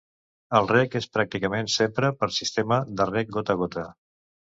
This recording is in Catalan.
El reg és pràcticament sempre pel sistema de reg gota a gota.